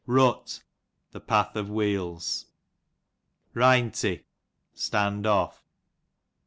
Rut, the path of wheels, Rynt, standoff'.